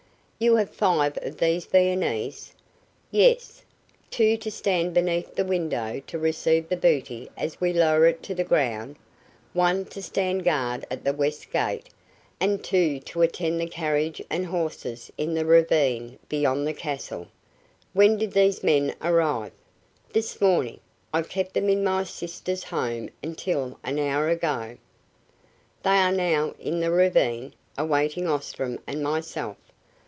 "You have five of these Viennese?" "Yes. Two to stand beneath the window to receive the booty as we lower it to the ground, one to stand guard at the west gate and two to attend the carriage and horses in the ravine beyond the castle." "When did these men arrive?" "This morning. I kept them in my sister's home until an hour ago. They are now in the ravine, awaiting Ostrom and myself.